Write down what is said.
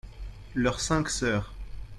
Leurs cinq sœurs.